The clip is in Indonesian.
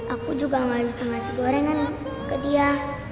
aku juga gak usah ngasih gorengan ke dia